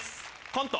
コント